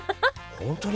本当に？